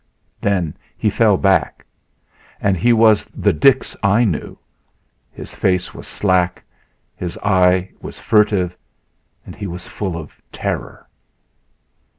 Then he fell back, and he was the Dix I knew his face was slack; his eye was furtive; and he was full of terror.